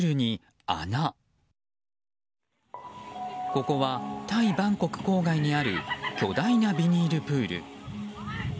ここはタイ・バンコク郊外にある巨大なビニールプール。